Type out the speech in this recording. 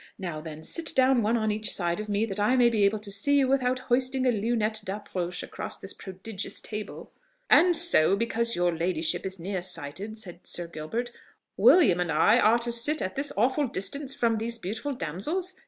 Now, then, sit down one on each side of me, that I may be able to see you without hoisting a lunette d'approche across this prodigious table." "And so, because your ladyship is near sighted," said Sir Gilbert, "William and I are to sit at this awful distance from these beautiful damsels?